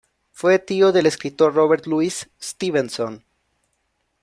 Fue tío del escritor Robert Louis Stevenson.